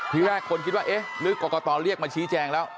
ทีแรกคนคิดว่าเอ๊ะหรือกรกตเรียกมาชี้แจงแล้ว